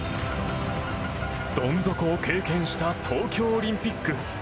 どん底を経験した東京オリンピック。